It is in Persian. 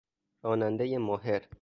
رانندهی ماهر